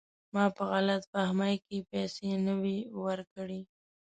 ما په غلط فهمۍ کې پیسې نه وې ورکړي.